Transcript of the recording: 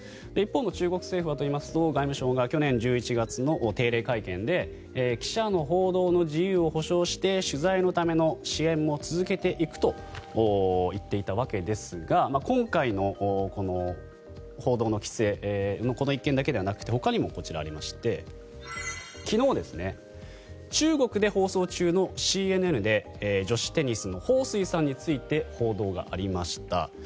一方の中国政府はといいますと外務省が去年１１月の定例会見で記者の報道の自由を保障して取材のための支援も続けていくと言っていたわけですが今回のこの報道の規制この一件だけではなくてほかにもありまして昨日、中国で放送中のＣＮＮで女子テニスのホウ・スイさんについて報道がありました。